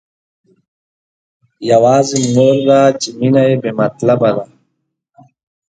يوازې مور ده چې مينه يې بې مطلبه ده.